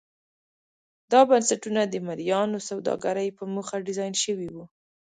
دا بنسټونه د مریانو سوداګرۍ په موخه ډیزاین شوي وو.